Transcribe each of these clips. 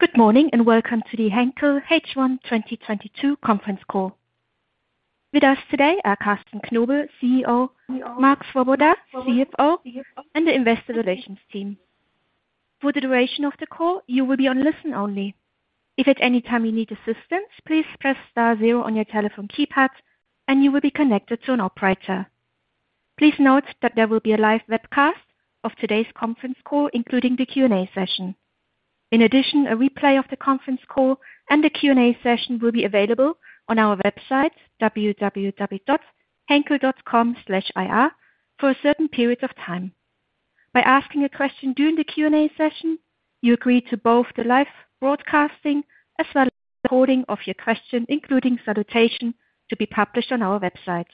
Good morning, and welcome to the Henkel H1 2022 Conference Call. With us today are Carsten Knobel, CEO, Marco Swoboda, CFO, and the Investor Relations team. For the duration of the call, you will be on listen only. If at any time you need assistance, please press star zero on your telephone keypad, and you will be connected to an operator. Please note that there will be a live webcast of today's conference call, including the Q&A session. In addition, a replay of the conference call and the Q&A session will be available on our website, www.henkel.com/ir for a certain period of time. By asking a question during the Q&A session, you agree to both the live broadcasting as well as recording of your question, including salutation, to be published on our website.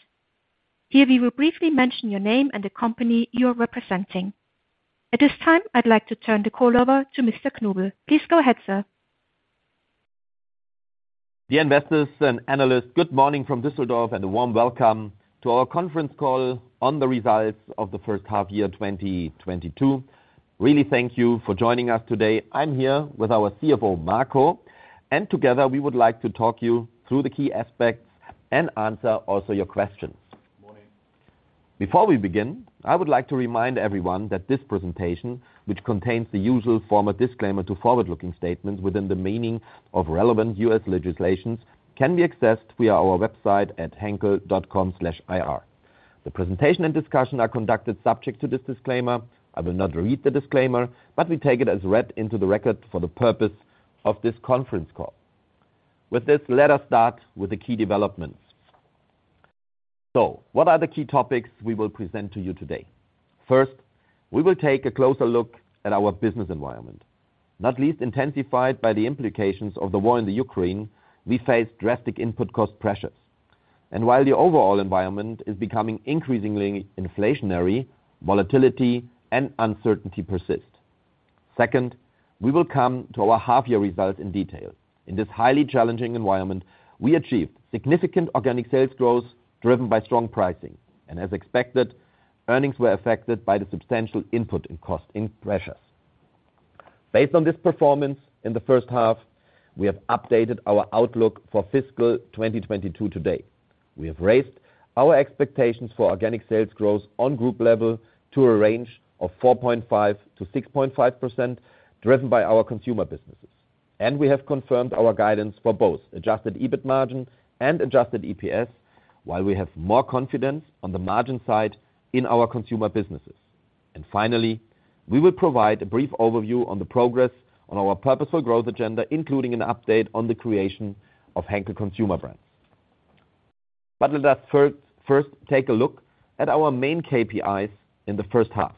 Here, we will briefly mention your name and the company you are representing. At this time, I'd like to turn the call over to Mr. Knobel. Please go ahead, sir. Dear investors and analysts, good morning from Düsseldorf, and a warm welcome to our conference call on the results of the first half year, 2022. Really thank you for joining us today. I'm here with our CFO, Marco, and together we would like to talk you through the key aspects and answer also your questions. Morning. Before we begin, I would like to remind everyone that this presentation, which contains the usual formal disclaimer to forward-looking statements within the meaning of relevant U.S. legislation, can be accessed via our website at henkel.com/ir. The presentation and discussion are conducted subject to this disclaimer. I will not read the disclaimer, but we take it as read into the record for the purpose of this conference call. With this, let us start with the key developments. What are the key topics we will present to you today? First, we will take a closer look at our business environment. Not least intensified by the implications of the war in the Ukraine, we face drastic input cost pressures. While the overall environment is becoming increasingly inflationary, volatility and uncertainty persist. Second, we will come to our half year results in detail. In this highly challenging environment, we achieved significant organic sales growth driven by strong pricing. As expected, earnings were affected by the substantial input cost inflation pressures. Based on this performance in the first half, we have updated our outlook for fiscal 2022 today. We have raised our expectations for organic sales growth on group level to a range of 4.5%-6.5%, driven by our consumer businesses. We have confirmed our guidance for both Adjusted EBIT margin and adjusted EPS while we have more confidence on the margin side in our consumer businesses. Finally, we will provide a brief overview on the progress on our Purposeful Growth agenda, including an update on the creation of Henkel Consumer Brands. Let us first take a look at our main KPIs in the first half.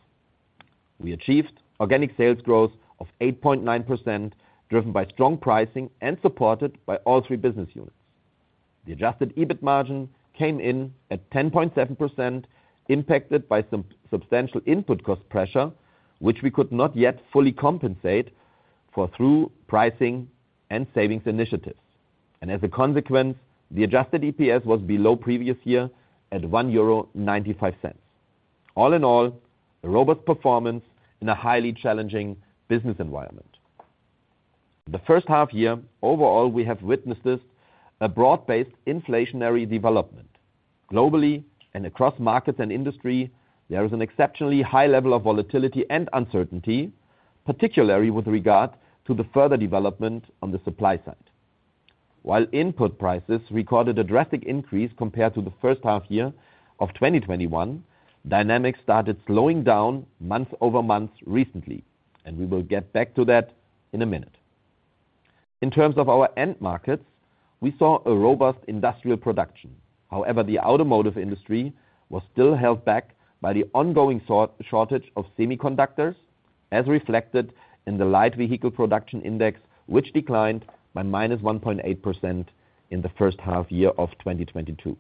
We achieved organic sales growth of 8.9%, driven by strong pricing and supported by all three business units. The Adjusted EBIT margin came in at 10.7%, impacted by substantial input cost pressure, which we could not yet fully compensate for through pricing and savings initiatives. As a consequence, the adjusted EPS was below previous year at 1.95 euro. All in all, a robust performance in a highly challenging business environment. The first half year, overall, we have witnessed this, a broad-based inflationary development. Globally and across markets and industry, there is an exceptionally high level of volatility and uncertainty, particularly with regard to the further development on the supply side. While input prices recorded a drastic increase compared to the first half year of 2021, dynamics started slowing down month-over-month recently. We will get back to that in a minute. In terms of our end markets, we saw a robust industrial production. However, the automotive industry was still held back by the ongoing shortage of semiconductors, as reflected in the light vehicle production index, which declined by -1.8% in the first half year of 2022.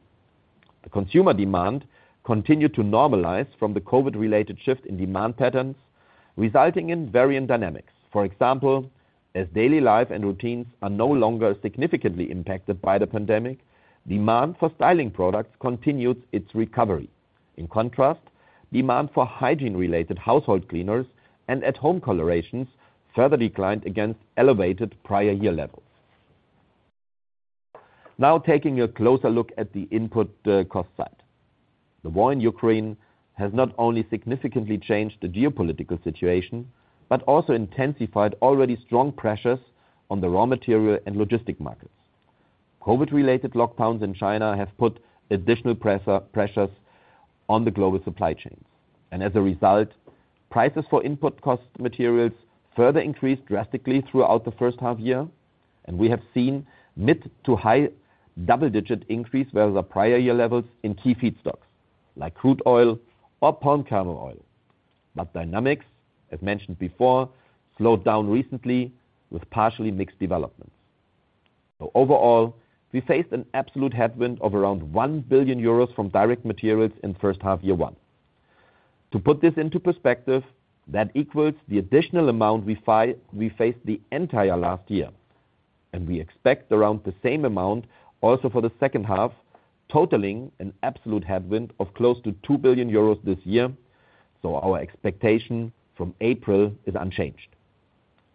The consumer demand continued to normalize from the COVID-related shift in demand patterns, resulting in varying dynamics. For example, as daily life and routines are no longer significantly impacted by the pandemic, demand for styling products continued its recovery. In contrast, demand for hygiene-related household cleaners and at-home colorations further declined against elevated prior year levels. Now taking a closer look at the input cost side. The war in Ukraine has not only significantly changed the geopolitical situation, but also intensified already strong pressures on the raw material and logistics markets. COVID-related lockdowns in China have put additional pressures on the global supply chains. As a result, prices for input cost materials further increased drastically throughout the first half year. We have seen mid to high double-digit increase where the prior year levels in key feedstocks like crude oil or palm kernel oil. Dynamics, as mentioned before, slowed down recently with partially mixed developments. Overall, we faced an absolute headwind of around 1 billion euros from direct materials in first half year one. To put this into perspective, that equals the additional amount we faced the entire last year. We expect around the same amount also for the second half, totaling an absolute headwind of close to 2 billion euros this year. Our expectation from April is unchanged.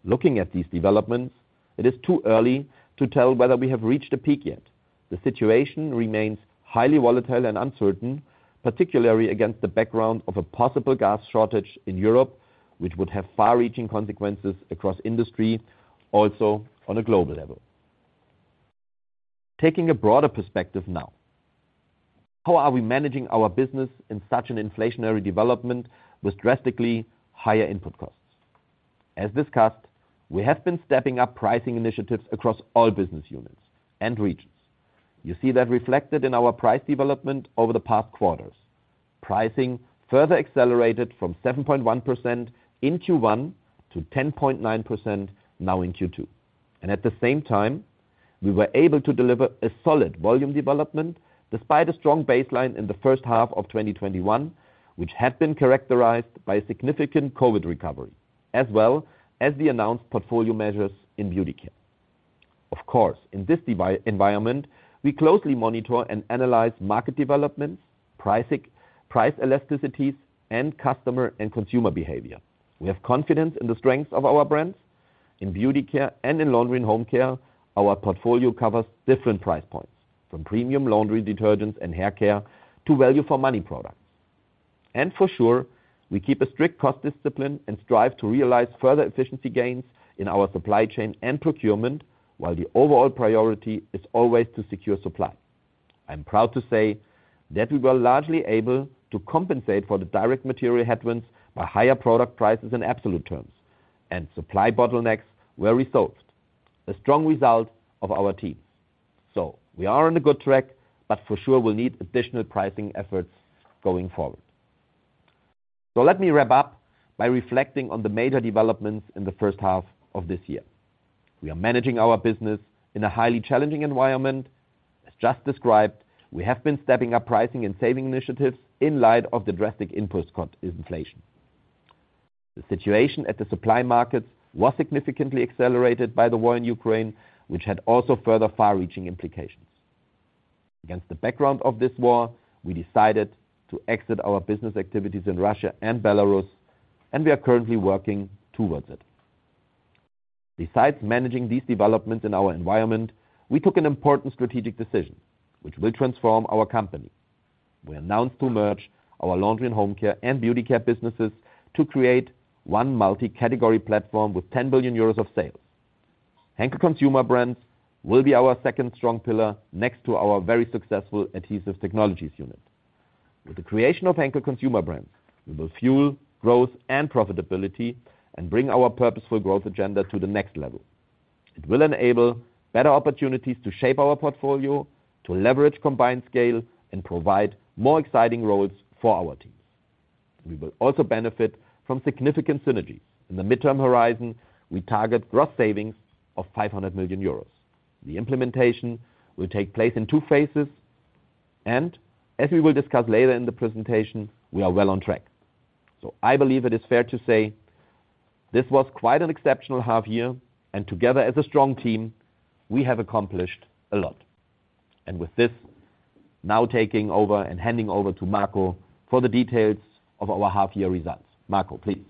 Looking at these developments, it is too early to tell whether we have reached a peak yet. The situation remains highly volatile and uncertain, particularly against the background of a possible gas shortage in Europe, which would have far-reaching consequences across industry, also on a global level. Taking a broader perspective now, how are we managing our business in such an inflationary development with drastically higher input costs? As discussed, we have been stepping up pricing initiatives across all business units and regions. You see that reflected in our price development over the past quarters. Pricing further accelerated from 7.1% in Q1 to 10.9% now in Q2. At the same time, we were able to deliver a solid volume development despite a strong baseline in the first half of 2021, which had been characterized by significant COVID recovery, as well as the announced portfolio measures in Beauty Care. Of course, in this environment, we closely monitor and analyze market developments, pricing, price elasticities, and customer and consumer behavior. We have confidence in the strength of our brands. In Beauty Care and in Laundry and Home Care, our portfolio covers different price points, from premium laundry detergents and hair care to value-for-money products. For sure, we keep a strict cost discipline and strive to realize further efficiency gains in our supply chain and procurement, while the overall priority is always to secure supply. I am proud to say that we were largely able to compensate for the direct material headwinds by higher product prices in absolute terms, and supply bottlenecks were resolved. A strong result of our team. We are on a good track, but for sure, we'll need additional pricing efforts going forward. Let me wrap up by reflecting on the major developments in the first half of this year. We are managing our business in a highly challenging environment. As just described, we have been stepping up pricing and saving initiatives in light of the drastic input cost inflation. The situation at the supply markets was significantly accelerated by the war in Ukraine, which had also further far-reaching implications. Against the background of this war, we decided to exit our business activities in Russia and Belarus, and we are currently working towards it. Besides managing these developments in our environment, we took an important strategic decision which will transform our company. We announced to merge our Laundry & Home Care and Beauty Care businesses to create one multi-category platform with 10 billion euros of sales. Henkel Consumer Brands will be our second strong pillar next to our very successful Adhesive Technologies unit. With the creation of Henkel Consumer Brands, we will fuel growth and profitability and bring our Purposeful Growth agenda to the next level. It will enable better opportunities to shape our portfolio, to leverage combined scale, and provide more exciting roles for our teams. We will also benefit from significant synergies. In the midterm horizon, we target gross savings of 500 million euros. The implementation will take place in two phases, and as we will discuss later in the presentation, we are well on track. I believe it is fair to say this was quite an exceptional half year, and together as a strong team, we have accomplished a lot. With this, now taking over and handing over to Marco for the details of our half year results. Marco, please.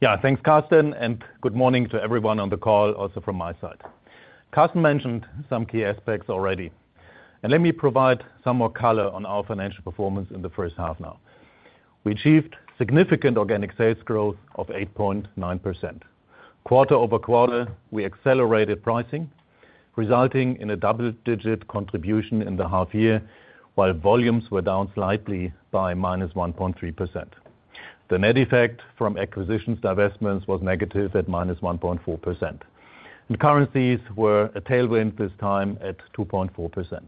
Yeah. Thanks, Carsten, and good morning to everyone on the call, also from my side. Carsten mentioned some key aspects already, and let me provide some more color on our financial performance in the first half now. We achieved significant organic sales growth of 8.9%. Quarter-over-quarter, we accelerated pricing, resulting in a double-digit contribution in the half year, while volumes were down slightly by -1.3%. The net effect from acquisitions divestments was negative at -1.4%. Currencies were a tailwind this time at 2.4%.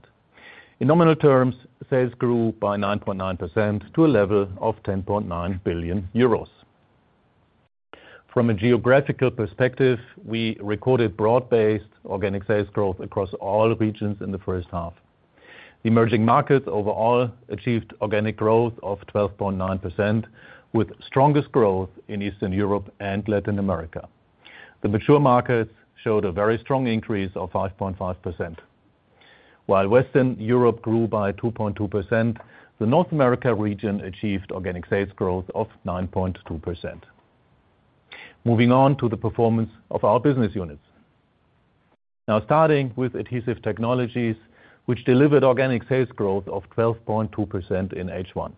In nominal terms, sales grew by 9.9% to a level of 10.9 billion euros. From a geographical perspective, we recorded broad-based organic sales growth across all regions in the first half. The emerging markets overall achieved organic growth of 12.9%, with strongest growth in Eastern Europe and Latin America. The mature markets showed a very strong increase of 5.5%. While Western Europe grew by 2.2%, the North America region achieved organic sales growth of 9.2%. Moving on to the performance of our business units. Now starting with Adhesive Technologies, which delivered organic sales growth of 12.2% in H1.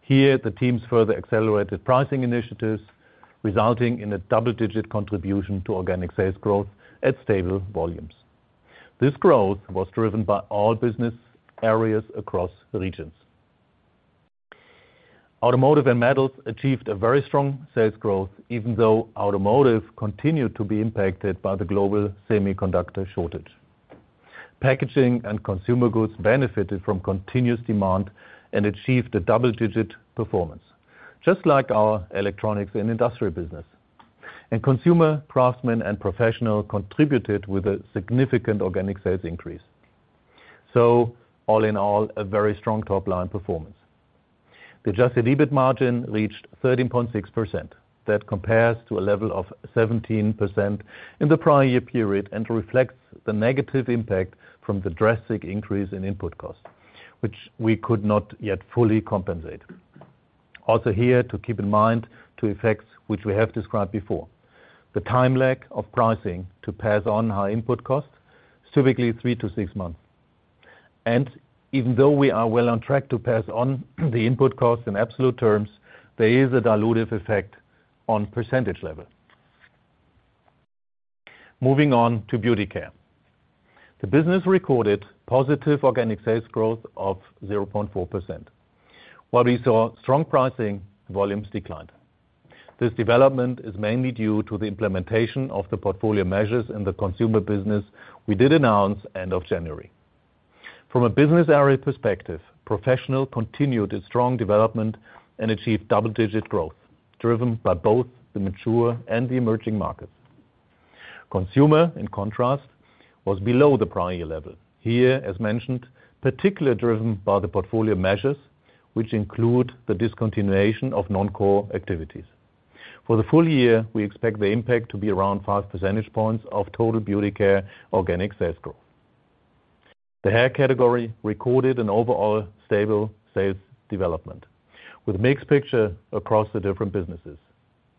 Here, the teams further accelerated pricing initiatives, resulting in a double-digit contribution to organic sales growth at stable volumes. This growth was driven by all business areas across the regions. Automotive & Metals achieved a very strong sales growth, even though Automotive continued to be impacted by the global semiconductor shortage. Packaging & Consumer Goods benefited from continuous demand and achieved a double-digit performance, just like our Electronics & Industrials business. Craftsmen, Construction & Professional contributed with a significant organic sales increase. All in all, a very strong top-line performance. The Adjusted EBIT margin reached 13.6%. That compares to a level of 17% in the prior year period and reflects the negative impact from the drastic increase in input costs, which we could not yet fully compensate. Also here to keep in mind two effects which we have described before. The time lag of pricing to pass on high input costs, typically 3-6 months. Even though we are well on track to pass on the input costs in absolute terms, there is a dilutive effect on percentage level. Moving on to Beauty Care. The business recorded positive organic sales growth of 0.4%. While we saw strong pricing, volumes declined. This development is mainly due to the implementation of the portfolio measures in the consumer business we did announce end of January. From a business area perspective, Professional continued its strong development and achieved double-digit growth, driven by both the mature and the emerging markets. Consumer, in contrast, was below the prior year level. Here, as mentioned, particularly driven by the portfolio measures, which include the discontinuation of non-core activities. For the full year, we expect the impact to be around 5 percentage points of total Beauty Care organic sales growth. The hair category recorded an overall stable sales development, with mixed picture across the different businesses.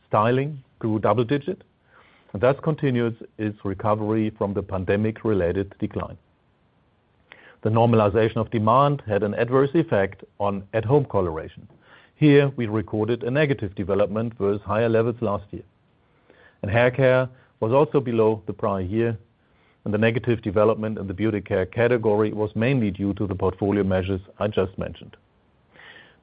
Styling grew double digit, and thus continues its recovery from the pandemic-related decline. The normalization of demand had an adverse effect on at-home coloration. Here, we recorded a negative development versus higher levels last year. Haircare was also below the prior year, and the negative development in the Beauty Care category was mainly due to the portfolio measures I just mentioned.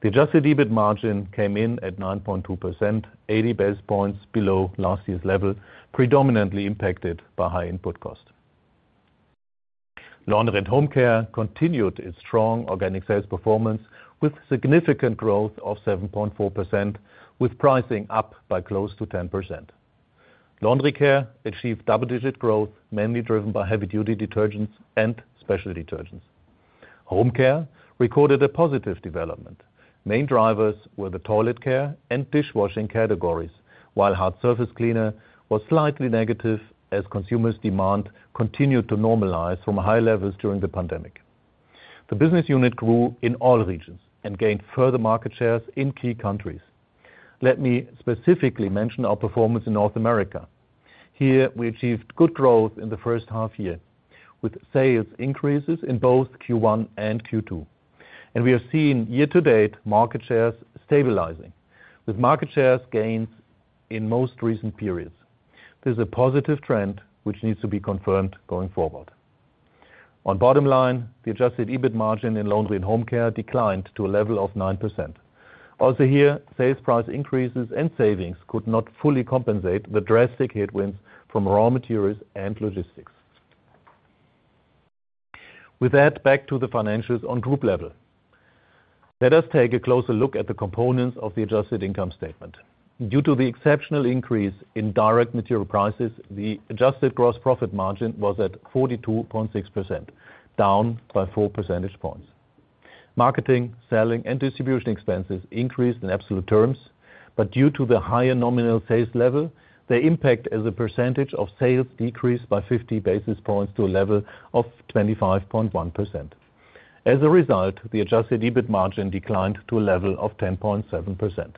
The Adjusted EBIT margin came in at 9.2%, 80 basis points below last year's level, predominantly impacted by high input costs. Laundry & Home Care continued its strong organic sales performance with significant growth of 7.4%, with pricing up by close to 10%. Laundry care achieved double-digit growth, mainly driven by heavy-duty detergents and special detergents. Home care recorded a positive development. Main drivers were the toilet care and dishwashing categories, while hard surface cleaner was slightly negative as consumers' demand continued to normalize from high levels during the pandemic. The business unit grew in all regions and gained further market shares in key countries. Let me specifically mention our performance in North America. Here, we achieved good growth in the first half year, with sales increases in both Q1 and Q2. We are seeing year-to-date market shares stabilizing, with market shares gains in most recent periods. This is a positive trend which needs to be confirmed going forward. On bottom line, the Adjusted EBIT margin in Laundry and Home Care declined to a level of 9%. Also here, sales price increases and savings could not fully compensate the drastic headwinds from raw materials and logistics. With that, back to the financials on group level. Let us take a closer look at the components of the adjusted income statement. Due to the exceptional increase in direct material prices, the adjusted gross profit margin was at 42.6%, down by 4 percentage points. Marketing, selling, and distribution expenses increased in absolute terms, but due to the higher nominal sales level, their impact as a percentage of sales decreased by 50 basis points to a level of 25.1%. As a result, the Adjusted EBIT margin declined to a level of 10.7%.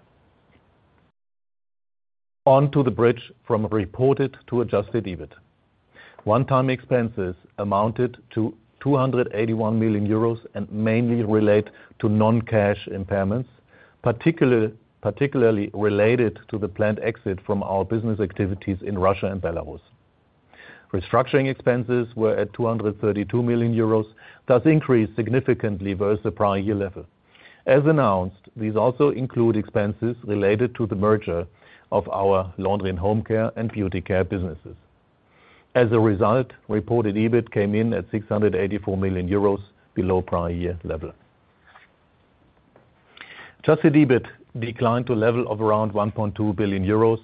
On to the bridge from reported to Adjusted EBIT. One-time expenses amounted to 281 million euros and mainly relate to non-cash impairments, particularly related to the planned exit from our business activities in Russia and Belarus. Restructuring expenses were at 232 million euros, thus increased significantly versus the prior year level. As announced, these also include expenses related to the merger of our Laundry & Home Care and Beauty Care businesses. As a result, reported EBIT came in at 684 million euros below prior year level. Adjusted EBIT declined to a level of around 1.2 billion euros,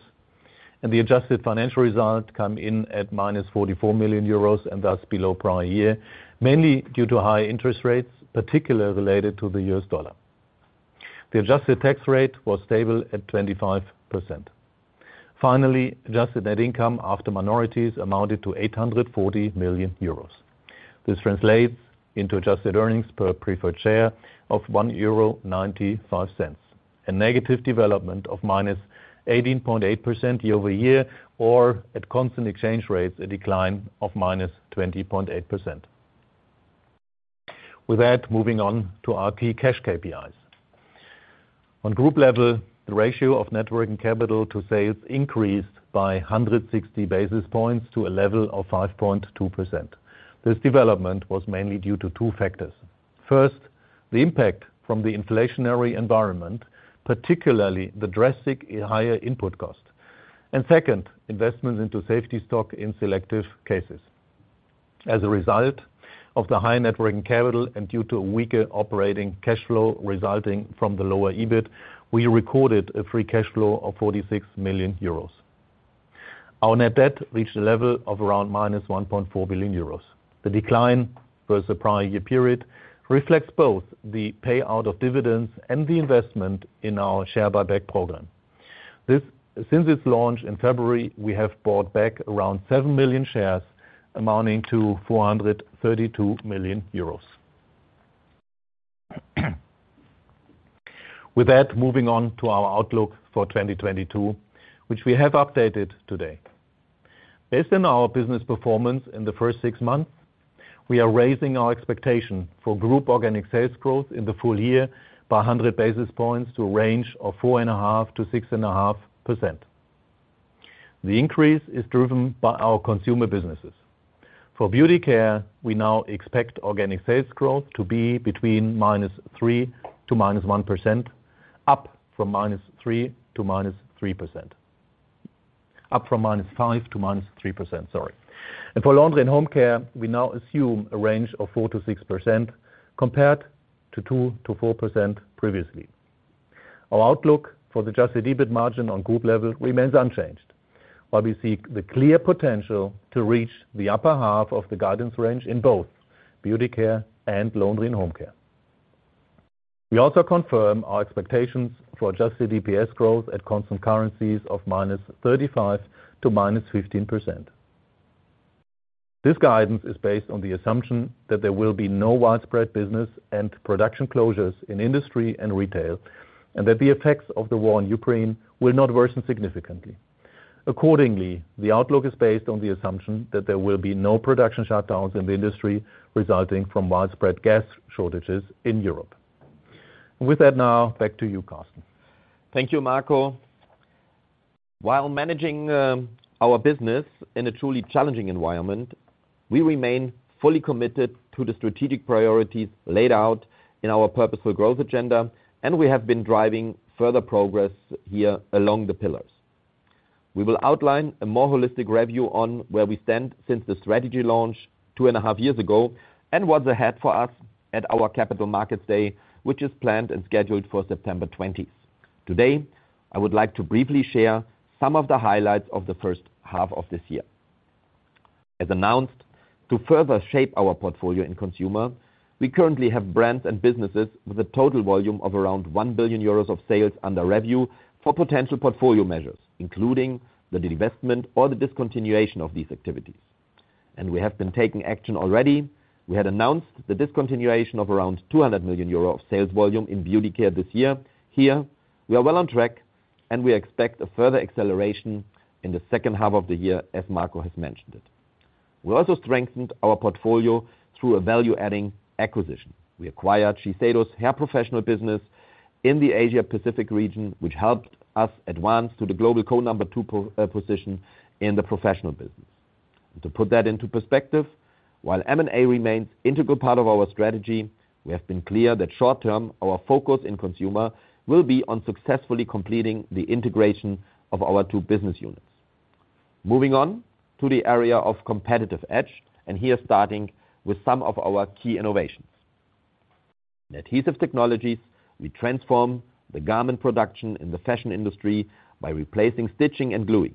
and the adjusted financial result come in at -44 million euros and thus below prior year, mainly due to high interest rates, particularly related to the U.S. dollar. The adjusted tax rate was stable at 25%. Finally, adjusted net income after minorities amounted to 840 million euros. This translates into adjusted earnings per preferred share of 1.95 euro, a negative development of -18.8% year-over-year, or at constant exchange rates, a decline of -20.8%. With that, moving on to our key cash KPIs. On group level, the ratio of net working capital to sales increased by 160 basis points to a level of 5.2%. This development was mainly due to two factors. First, the impact from the inflationary environment, particularly the drastic higher input cost. Second, investments into safety stock in selective cases. As a result of the high net working capital and due to a weaker operating cash flow resulting from the lower EBIT, we recorded a free cash flow of 46 million euros. Our net debt reached a level of around -1.4 billion euros. The decline versus the prior year period reflects both the payout of dividends and the investment in our share buyback program. This. Since its launch in February, we have bought back around 7 million shares amounting to 432 million euros. With that, moving on to our outlook for 2022, which we have updated today. Based on our business performance in the first six months, we are raising our expectation for group organic sales growth in the full year by 100 basis points to a range of 4.5%-6.5%. The increase is driven by our consumer businesses. For Beauty Care, we now expect organic sales growth to be between -3% to -1%, up from -5% to -3%. For Laundry & Home Care, we now assume a range of 4%-6% compared to 2%-4% previously. Our outlook for the Adjusted EBIT margin on group level remains unchanged, while we see the clear potential to reach the upper half of the guidance range in both Beauty Care and Laundry & Home Care. We also confirm our expectations for adjusted EPS growth at constant currencies of -35% to -15%. This guidance is based on the assumption that there will be no widespread business and production closures in industry and retail, and that the effects of the war on Ukraine will not worsen significantly. Accordingly, the outlook is based on the assumption that there will be no production shutdowns in the industry resulting from widespread gas shortages in Europe. With that now, back to you, Carsten. Thank you, Marco. While managing our business in a truly challenging environment, we remain fully committed to the strategic priorities laid out in our Purposeful Growth agenda, and we have been driving further progress here along the pillars. We will outline a more holistic review on where we stand since the strategy launch two and a half years ago and what's ahead for us at our Capital Markets Day, which is planned and scheduled for September twentieth. Today, I would like to briefly share some of the highlights of the first half of this year. As announced, to further shape our portfolio in consumer, we currently have brands and businesses with a total volume of around 1 billion euros of sales under review for potential portfolio measures, including the divestment or the discontinuation of these activities. We have been taking action already. We had announced the discontinuation of around 200 million euro of sales volume in Beauty Care this year. Here, we are well on track, and we expect a further acceleration in the second half of the year, as Marco has mentioned it. We also strengthened our portfolio through a value-adding acquisition. We acquired Shiseido's hair professional business in the Asia Pacific region, which helped us advance to the global co-number two position in the professional business. To put that into perspective, while M&A remains integral part of our strategy, we have been clear that short term, our focus in consumer will be on successfully completing the integration of our two business units. Moving on to the area of competitive edge, and here starting with some of our key innovations. In Adhesive Technologies, we transform the garment production in the fashion industry by replacing stitching and gluing.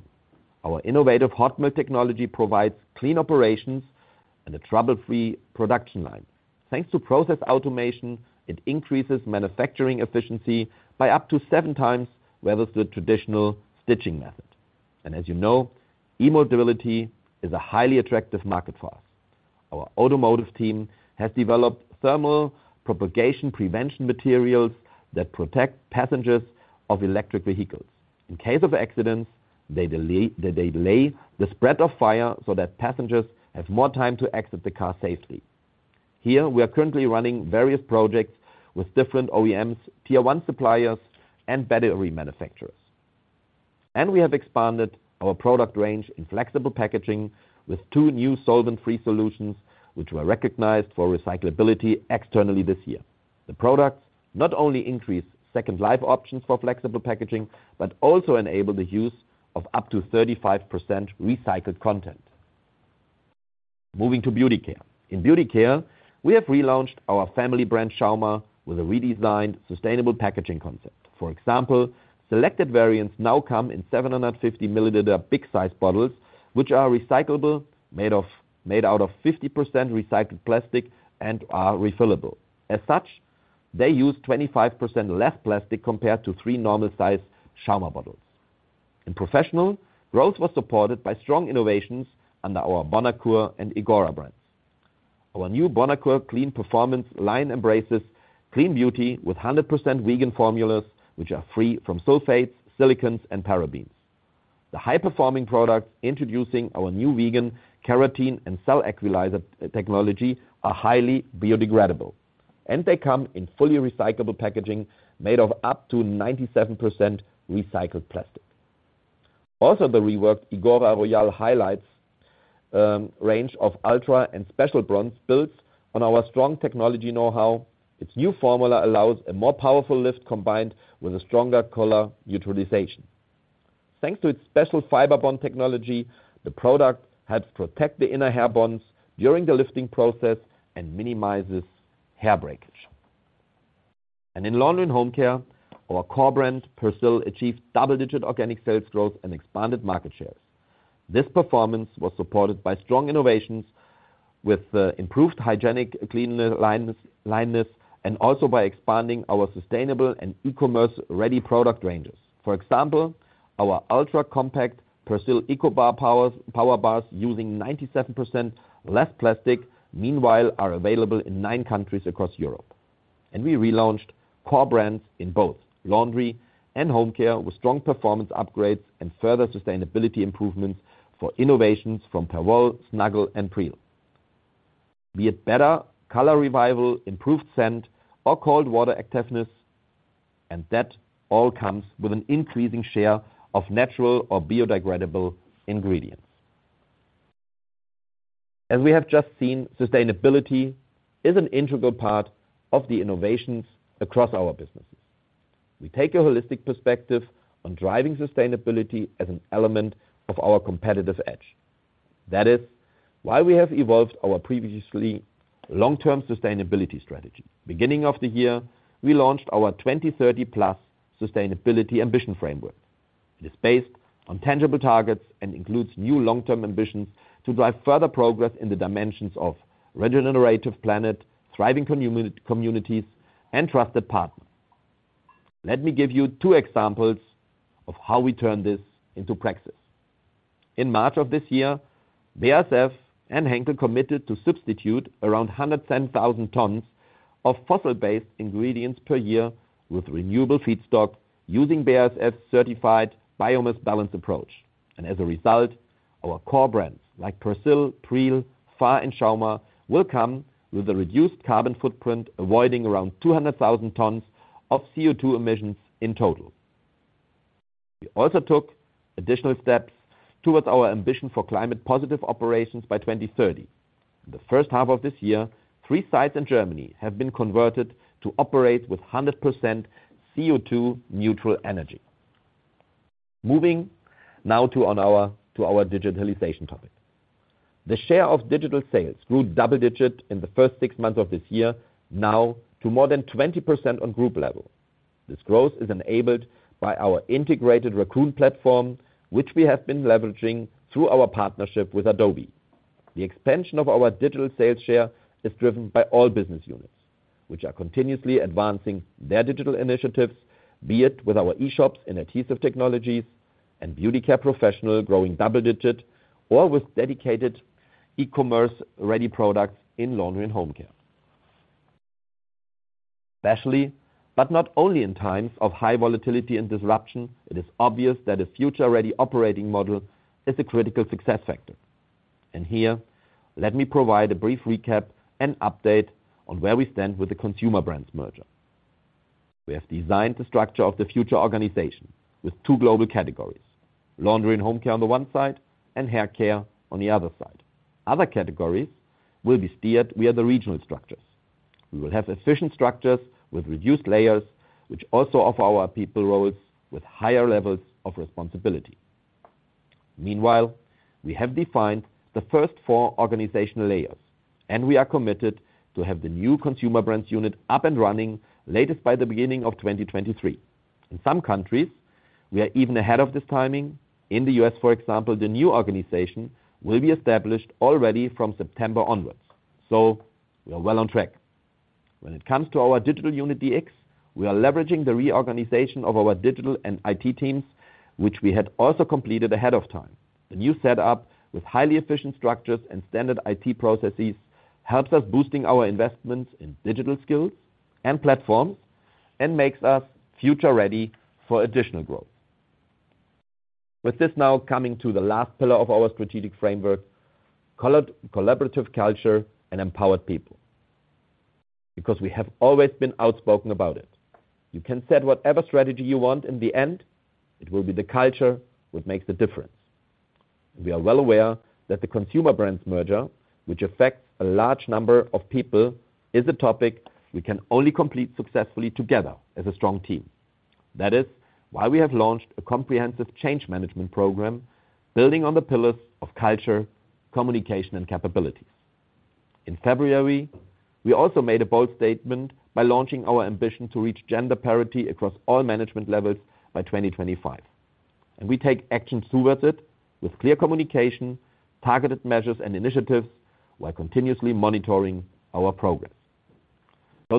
Our innovative hot melt technology provides clean operations and a trouble-free production line. Thanks to process automation, it increases manufacturing efficiency by up to seven times versus the traditional stitching method. As you know, e-mobility is a highly attractive market for us. Our automotive team has developed thermal propagation prevention materials that protect passengers of electric vehicles. In case of accidents, they delay the spread of fire so that passengers have more time to exit the car safely. Here, we are currently running various projects with different OEMs, Tier 1 suppliers and battery manufacturers. We have expanded our product range in flexible packaging with two new solvent-free solutions, which were recognized for recyclability externally this year. The products not only increase second life options for flexible packaging, but also enable the use of up to 35% recycled content. Moving to Beauty Care. In Beauty Care, we have relaunched our family brand, Schauma, with a redesigned sustainable packaging concept. For example, selected variants now come in 750 ml big size bottles, which are recyclable, made out of 50% recycled plastic and are refillable. As such, they use 25% less plastic compared to three normal-sized Schauma bottles. In Professional, growth was supported by strong innovations under our Bonacure and Igora brands. Our new Bonacure Clean Performance line embraces clean beauty with 100% vegan formulas, which are free from sulfates, silicones and parabens. The high-performing products introducing our new Vegan Keratin and Cell Equalizer Technology are highly biodegradable, and they come in fully recyclable packaging made of up to 97% recycled plastic. Also, the reworked Igora Royal Highlifts range of ultra and special bronze builds on our strong technology know-how. Its new formula allows a more powerful lift combined with a stronger color neutralization. Thanks to its special Fibre Bond Technology, the product helps protect the inner hair bonds during the lifting process and minimizes hair breakage. In Laundry & Home Care, our core brand, Persil, achieved double-digit organic sales growth and expanded market shares. This performance was supported by strong innovations with improved hygiene, cleanliness, and also by expanding our sustainable and e-commerce ready product ranges. For example, our ultra-compact Persil Power Bars using 97% less plastic meanwhile are available in nine countries across Europe. We relaunched core brands in both Laundry & Home Care with strong performance upgrades and further sustainability improvements for innovations from Perwoll, Snuggle, and Pril. Be it better color revival, improved scent, or cold water effectiveness, and that all comes with an increasing share of natural or biodegradable ingredients. As we have just seen, sustainability is an integral part of the innovations across our businesses. We take a holistic perspective on driving sustainability as an element of our competitive edge. That is why we have evolved our previously long-term sustainability strategy. Beginning of the year, we launched our 2030+ sustainability ambition framework. It is based on tangible targets and includes new long-term ambitions to drive further progress in the dimensions of regenerative planet, thriving communities, and trusted partners. Let me give you two examples of how we turn this into practice. In March of this year, BASF and Henkel committed to substitute around 110,000 tons of fossil-based ingredients per year with renewable feedstock using BASF certified biomass balance approach. As a result, our core brands like Persil, Pril, Fa, and Schauma will come with a reduced carbon footprint, avoiding around 200,000 tons of CO2 emissions in total. We also took additional steps towards our ambition for climate positive operations by 2030. In the first half of this year, three sites in Germany have been converted to operate with 100% CO2 neutral energy. Moving now to our digitalization topic. The share of digital sales grew double digit in the first six months of this year, now to more than 20% on group level. This growth is enabled by our integrated RAQN platform, which we have been leveraging through our partnership with Adobe. The expansion of our digital sales share is driven by all business units, which are continuously advancing their digital initiatives, be it with our e-shops and Adhesive Technologies and Beauty Care Professional growing double-digit or with dedicated e-commerce ready products in Laundry and Home Care. Especially, but not only in times of high volatility and disruption, it is obvious that a future ready operating model is a critical success factor. Here, let me provide a brief recap and update on where we stand with the Consumer Brands merger. We have designed the structure of the future organization with two global categories, Laundry & Home Care on the one side, and Hair Care on the other side. Other categories will be steered via the regional structures. We will have efficient structures with reduced layers, which also offer our people roles with higher levels of responsibility. Meanwhile, we have defined the first four organizational layers, and we are committed to have the new Consumer Brands unit up and running latest by the beginning of 2023. In some countries, we are even ahead of this timing. In the U.S., for example, the new organization will be established already from September onwards, so we are well on track. When it comes to our digital unit, dx, we are leveraging the reorganization of our digital and IT teams, which we had also completed ahead of time. The new set up with highly efficient structures and standard IT processes helps us boosting our investments in digital skills and platforms, and makes us future ready for additional growth. With this now coming to the last pillar of our strategic framework, collaborative culture and empowered people. Because we have always been outspoken about it. You can set whatever strategy you want in the end, it will be the culture which makes the difference. We are well aware that the Consumer Brands merger, which affects a large number of people, is a topic we can only complete successfully together as a strong team. That is why we have launched a comprehensive change management program building on the pillars of culture, communication, and capabilities. In February, we also made a bold statement by launching our ambition to reach gender parity across all management levels by 2025. We take action towards it with clear communication, targeted measures and initiatives while continuously monitoring our progress.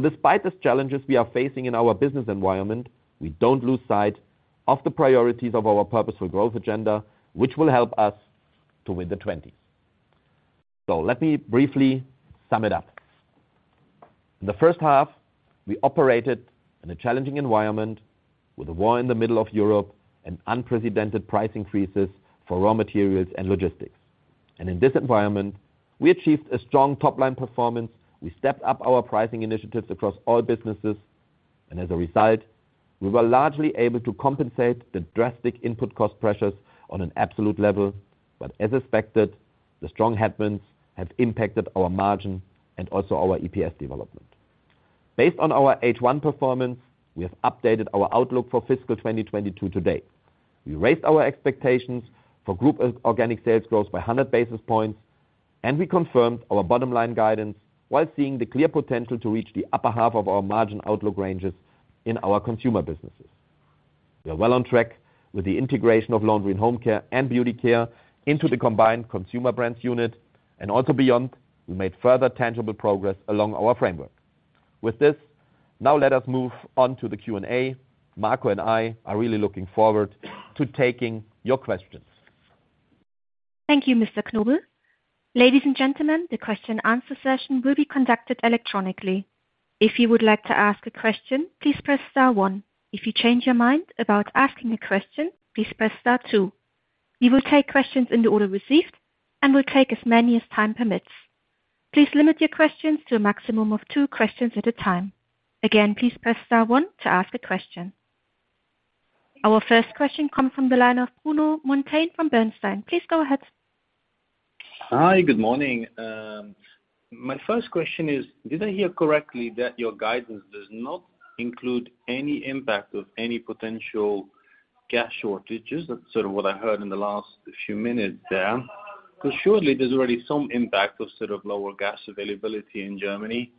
Despite the challenges we are facing in our business environment, we don't lose sight of the priorities of our Purposeful Growth agenda, which will help us to win the twenties. Let me briefly sum it up. In the first half, we operated in a challenging environment with a war in the middle of Europe and unprecedented price increases for raw materials and logistics. In this environment, we achieved a strong top-line performance. We stepped up our pricing initiatives across all businesses, and as a result, we were largely able to compensate the drastic input cost pressures on an absolute level. As expected, the strong headwinds have impacted our margin and also our EPS development. Based on our H1 performance, we have updated our outlook for fiscal 2022 to date. We raised our expectations for group organic sales growth by 100 basis points. We confirmed our bottom line guidance while seeing the clear potential to reach the upper half of our margin outlook ranges in our consumer businesses. We are well on track with the integration of Laundry & Home Care and Beauty Care into the combined Consumer Brands unit. Also beyond, we made further tangible progress along our framework. With this, now let us move on to the Q&A. Marco and I are really looking forward to taking your questions. Thank you, Mr. Knobel. Ladies and gentlemen, the question-and-answer session will be conducted electronically. If you would like to ask a question, please press star one. If you change your mind about asking a question, please press star two. We will take questions in the order received and will take as many as time permits. Please limit your questions to a maximum of two questions at a time. Again, please press star one to ask a question. Our first question comes from the line of Bruno Monteyne from Bernstein. Please go ahead. Hi. Good morning. My first question is, did I hear correctly that your guidance does not include any impact of any potential gas shortages? That's sort of what I heard in the last few minutes there. Surely there's already some impact of sort of lower gas availability in Germany,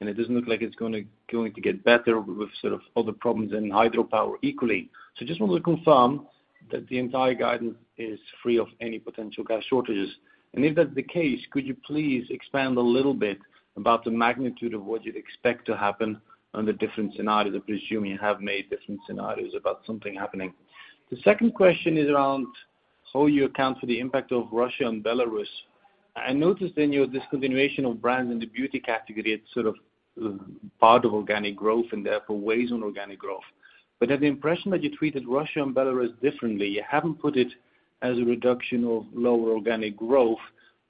and it doesn't look like it's going to get better with sort of other problems in hydropower equally. Just wanted to confirm that the entire guidance is free of any potential gas shortages. If that's the case, could you please expand a little bit about the magnitude of what you'd expect to happen under different scenarios? I presume you have made different scenarios about something happening. The second question is around how you account for the impact of Russia and Belarus. I noticed in your discontinuation of Brands in the Beauty category, it's sort of part of organic growth and therefore weighs on organic growth. I have the impression that you treated Russia and Belarus differently. You haven't put it as a reduction of lower organic growth.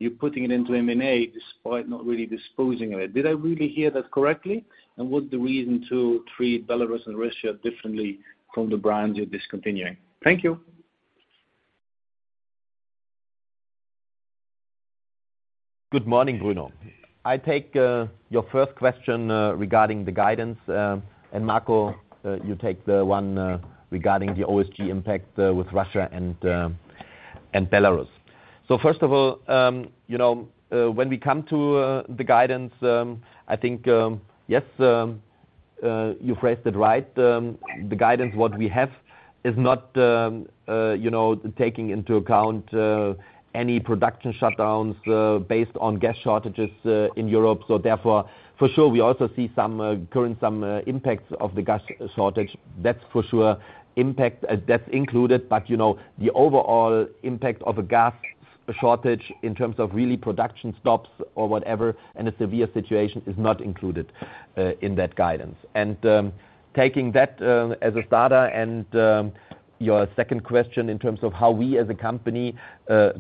You're putting it into M&A despite not really disposing of it. Did I really hear that correctly? What's the reason to treat Belarus and Russia differently from the brands you're discontinuing? Thank you. Good morning, Bruno. I take your first question regarding the guidance, and Marco, you take the one regarding the OSG impact with Russia and Belarus. First of all, you know, when we come to the guidance, I think, yes, you phrased it right. The guidance, what we have is not, you know, taking into account any production shutdowns based on gas shortages in Europe. Therefore, for sure, we also see some current impacts of the gas shortage. That's for sure impact. That's included. You know, the overall impact of a gas shortage in terms of really production stops or whatever, and a severe situation is not included in that guidance. Taking that as a starter and your second question in terms of how we as a company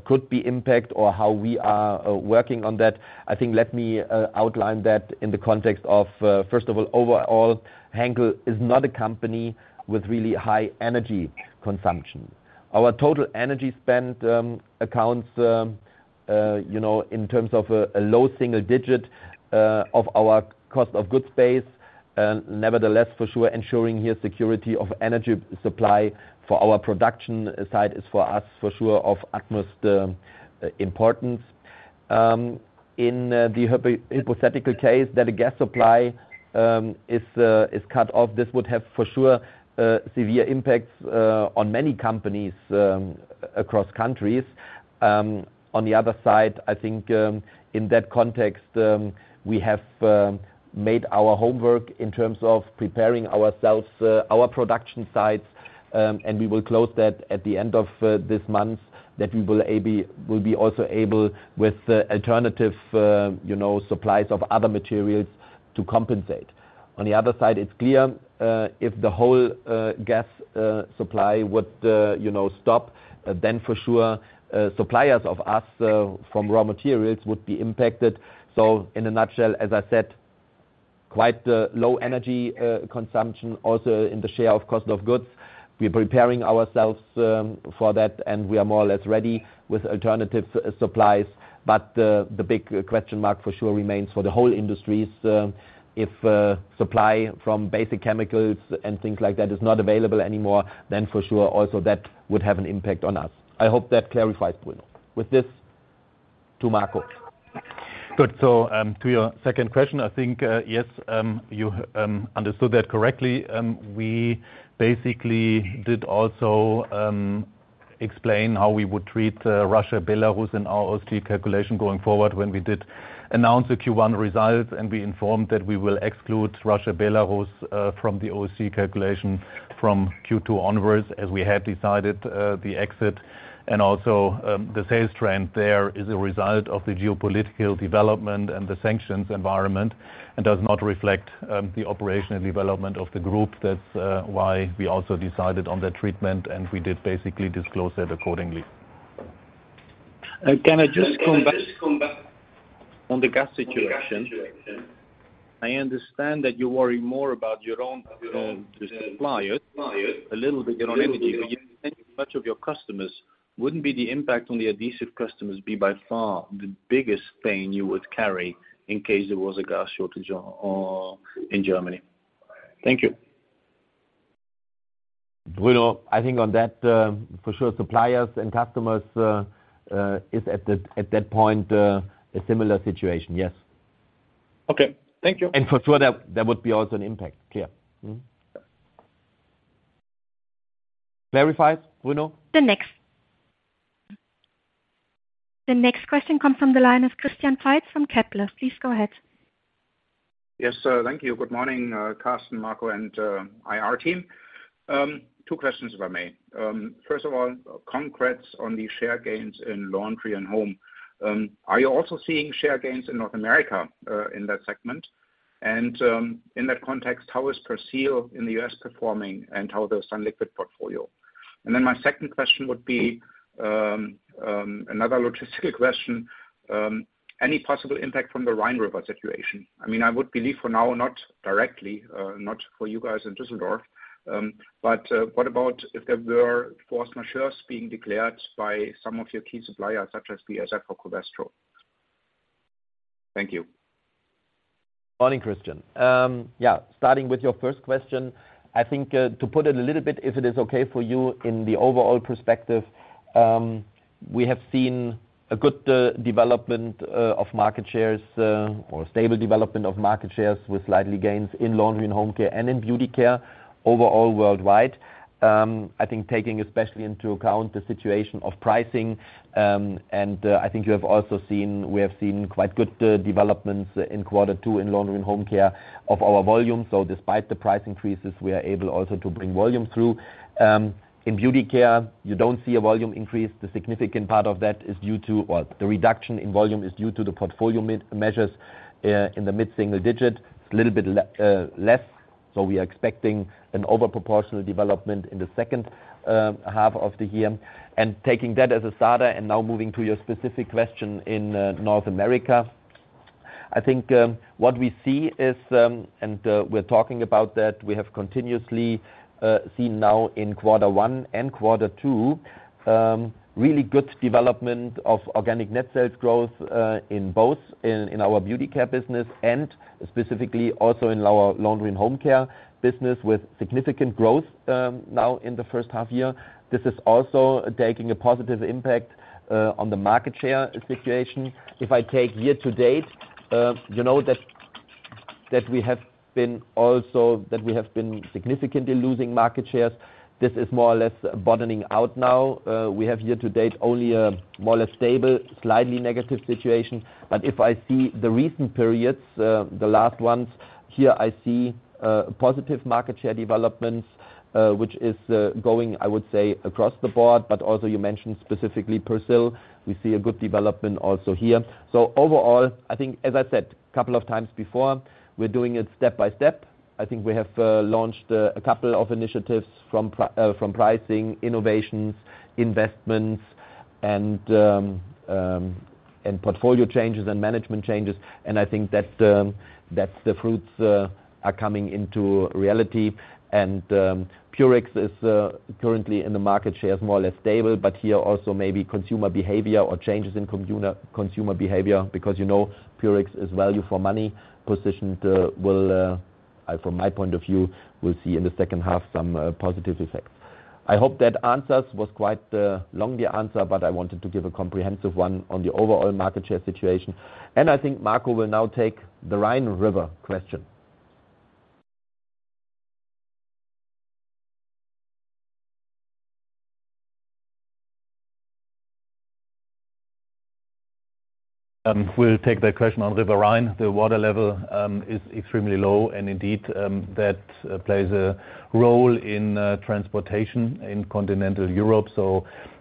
could be impacted or how we are working on that, I think let me outline that in the context of first of all, overall, Henkel is not a company with really high energy consumption. Our total energy spend accounts in terms of a low single digit of our cost of goods base. Nevertheless, for sure, ensuring security of energy supply for our production side is, for us, for sure, of utmost importance. In the hypothetical case that a gas supply is cut off, this would have, for sure, severe impacts on many companies across countries. On the other side, I think, in that context, we have made our homework in terms of preparing ourselves, our production sites, and we will close that at the end of this month that we will be also able with alternative, you know, supplies of other materials to compensate. On the other side, it's clear if the whole gas supply would, you know, stop, then for sure our suppliers from raw materials would be impacted. In a nutshell, as I said, quite a low energy consumption also in the share of cost of goods. We're preparing ourselves for that, and we are more or less ready with alternative supplies. The big question mark for sure remains for the whole industries, if supply from basic chemicals and things like that is not available anymore, then for sure also that would have an impact on us. I hope that clarifies, Bruno. With this, to Marco. Good. To your second question, I think, yes, you understood that correctly. We basically did also explain how we would treat Russia, Belarus in our OSG calculation going forward when we did announce the Q1 results, and we informed that we will exclude Russia, Belarus from the OSG calculation from Q2 onwards, as we have decided the exit and also the sales trend there is a result of the geopolitical development and the sanctions environment and does not reflect the operational development of the group. That's why we also decided on that treatment, and we did basically disclose it accordingly. Can I just come back on the gas situation? I understand that you worry more about your own suppliers, a little bit your own energy, but you depend much on your customers. Wouldn't the impact on the adhesive customers be by far the biggest pain you would carry in case there was a gas shortage on or in Germany? Thank you. Bruno, I think on that, for sure suppliers and customers is at that point a similar situation, yes. Okay. Thank you. For sure, that would be also an impact, yeah. Clarified, Bruno? The next question comes from the line of Christian Faitz from Kepler Cheuvreux. Please go ahead. Yes, sir. Thank you. Good morning, Carsten, Marco, and IR team. Two questions, if I may. First of all, concretes on the share gains in Laundry and Home. Are you also seeing share gains in North America, in that segment? In that context, how is Persil in the U.S. performing and how does all liquid portfolio? My second question would be another logistical question. Any possible impact from the Rhine River situation? I mean, I would believe for now, not directly, not for you guys in Düsseldorf, but what about if there were force majeures being declared by some of your key suppliers, such as BASF or Covestro? Thank you. Morning, Christian. Yeah, starting with your first question, I think to put it a little bit, if it is okay for you, in the overall perspective, we have seen a good development of market shares, or stable development of market shares with slight gains in Laundry & Home Care and in Beauty Care overall worldwide. I think taking especially into account the situation of pricing, and I think you have also seen, we have seen quite good developments in quarter two in Laundry & Home Care of our volume. Despite the price increases, we are able also to bring volume through. In Beauty Care, you don't see a volume increase. The significant part of that is due to the portfolio measures in the mid-single digit. It's a little bit less, so we are expecting an over proportional development in the second half of the year. Taking that as a starter and now moving to your specific question in North America. I think what we see is we're talking about that, we have continuously seen now in quarter one and quarter two really good development of organic net sales growth in both our Beauty Care business and specifically also in our Laundry & Home Care business with significant growth now in the first half year. This is also taking a positive impact on the market share situation. If I take year to date, you know that we have been also significantly losing market shares. This is more or less bottoming out now. We have year to date only a more or less stable, slightly negative situation. If I see the recent periods, the last ones, here I see positive market share developments, which is going, I would say, across the board, but also you mentioned specifically Persil. We see a good development also here. Overall, I think as I said a couple of times before, we're doing it step by step. I think we have launched a couple of initiatives from pricing, innovations, investments, and portfolio changes and management changes. I think that's the fruits are coming into reality. Purex is currently in the market share is more or less stable, but here also maybe consumer behavior or changes in consumer behavior, because, you know, Purex is value for money positioned, will from my point of view see in the second half some positive effects. I hope that answers. Was quite long the answer, but I wanted to give a comprehensive one on the overall market share situation. I think Marco will now take the remaining question. We'll take that question. On River Rhine, the water level is extremely low, and indeed, that plays a role in transportation in continental Europe.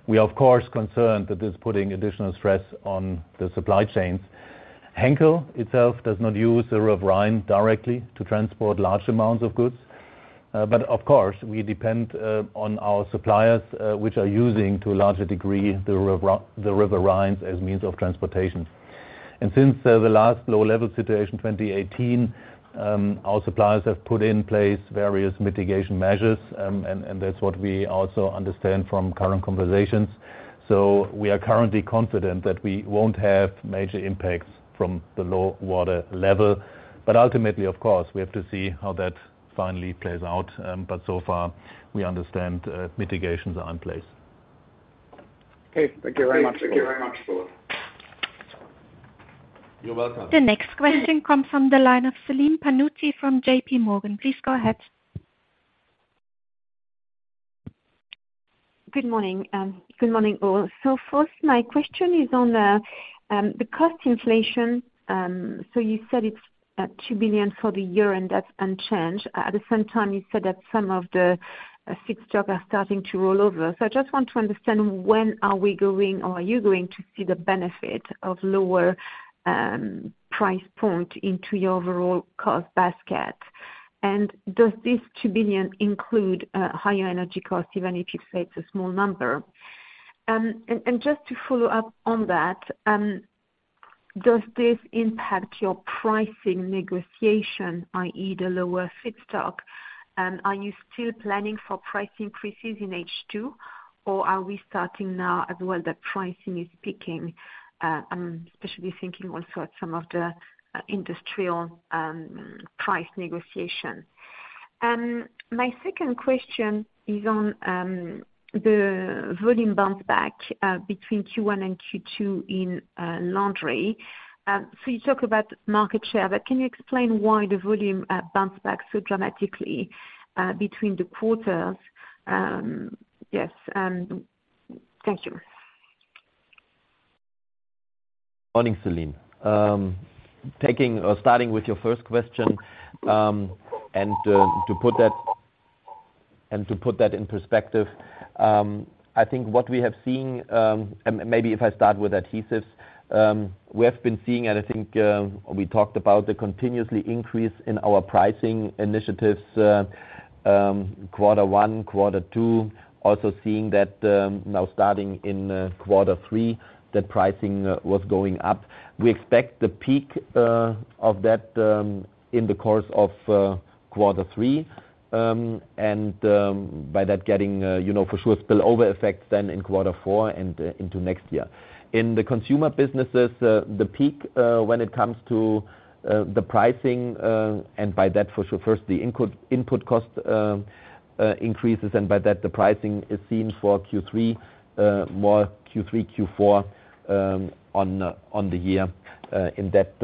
We are of course concerned that it's putting additional stress on the supply chains. Henkel itself does not use the River Rhine directly to transport large amounts of goods. Of course, we depend on our suppliers, which are using to a larger degree the River Rhine as means of transportation. Since the last low level situation, 2018, our suppliers have put in place various mitigation measures, and that's what we also understand from current conversations. We are currently confident that we won't have major impacts from the low water level. Ultimately, of course, we have to see how that finally plays out. So far, we understand, mitigations are in place. Okay. Thank you very much. Thank you very much, Thor. You're welcome. The next question comes from the line of Celine Pannuti from JPMorgan. Please go ahead. Good morning. Good morning, all. First, my question is on the cost inflation. You said it's 2 billion for the year and that's unchanged. At the same time, you said that some of the fixed costs are starting to roll over. I just want to understand when are we going or are you going to see the benefit of lower price point into your overall cost basket? Does this 2 billion include higher energy costs, even if it affects a small number? Just to follow up on that, does this impact your pricing negotiation, i.e. the lower fixed costs? Are you still planning for price increases in H2? Are we starting to see now as well that pricing is peaking? I'm especially thinking also of some of the industrial price negotiation. My second question is on the volume bounce back between Q1 and Q2 in laundry. You talk about market share, but can you explain why the volume bounced back so dramatically between the quarters? Yes, and thank you. Morning, Celine. Taking or starting with your first question, to put that in perspective, I think what we have seen, and maybe if I start with adhesives, we have been seeing. I think we talked about the continuous increase in our pricing initiatives, quarter one, quarter two. Also seeing that now starting in quarter three, that pricing was going up. We expect the peak of that in the course of quarter three, and by that getting, you know, for sure spillover effects then in quarter four and into next year. In the consumer businesses, the peak when it comes to the pricing and by that for sure first the input cost increases and by that the pricing is seen for Q3, more Q3, Q4 on the year in that